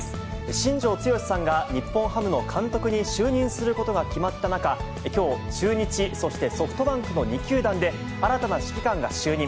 新庄剛志さんが日本ハムの監督に就任することが決まった中、きょう、中日、そしてソフトバンクの２球団で、新たな指揮官が就任。